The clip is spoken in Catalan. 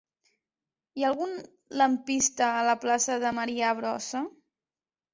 Hi ha algun lampista a la plaça de Marià Brossa?